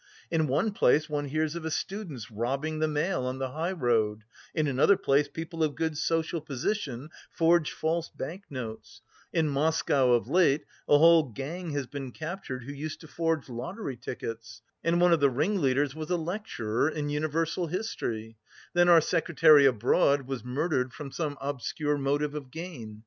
In one place one hears of a student's robbing the mail on the high road; in another place people of good social position forge false banknotes; in Moscow of late a whole gang has been captured who used to forge lottery tickets, and one of the ringleaders was a lecturer in universal history; then our secretary abroad was murdered from some obscure motive of gain....